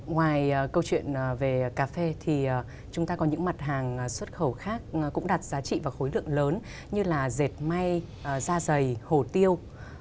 ngoài câu chuyện về cà phê thì chúng ta có những mặt hàng xuất khẩu khác cũng đạt giá trị vào khối lượng lớn như là dệt may da dày hồ tiêu